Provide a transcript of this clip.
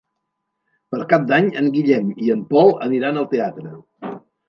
Per Cap d'Any en Guillem i en Pol aniran al teatre.